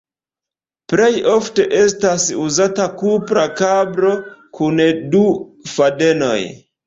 Plej ofte estas uzata kupra kablo kun du fadenoj.